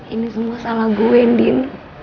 ini semua salah gue din